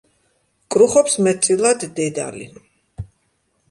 კრუხობს მეტწილად დედალი.